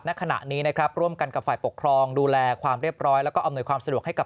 ณขณะนี้นะครับร่วมกันกับฝ่ายปกครองดูแลความเรียบร้อยแล้วก็อำนวยความสะดวกให้กับ